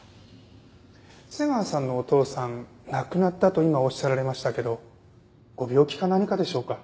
瀬川さんのお父さん亡くなったと今おっしゃられましたけどご病気か何かでしょうか？